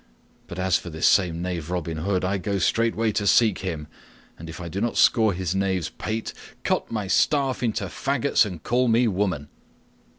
But as for this same knave Robin Hood, I go straightway to seek him, and if I do not score his knave's pate, cut my staff into fagots and call me woman."